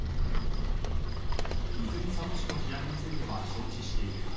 泉佐野市の事案については承知している。